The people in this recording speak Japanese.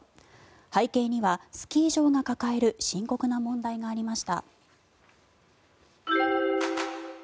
背景にはスキー場が抱える深刻な問題がありました。